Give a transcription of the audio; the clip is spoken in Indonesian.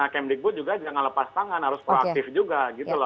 kemdikbud juga jangan lepas tangan harus proaktif juga